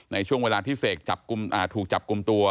ในช่วงเวลาที่เสกถูกจับกลุ่มตัว